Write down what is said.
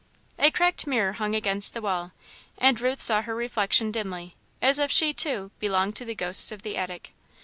A cracked mirror hung against the wall and Ruth saw her reflection dimly, as if she, too, belonged to the ghosts of the attic.